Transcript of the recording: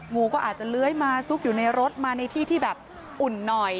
งูก็อาจจะเลื้อยมาซุกอยู่ในรถมาในที่ที่แบบอุ่นหน่อย